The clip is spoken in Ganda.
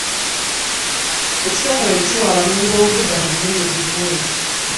Ekitongole kiwa abanoonyi b'obubuddamu emmere buli mwezi.